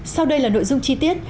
sau đây là nội dung chi tiết